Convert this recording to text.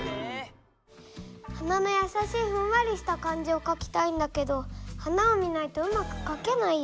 花のやさしいふんわりした感じをかきたいんだけど花を見ないとうまくかけないよ。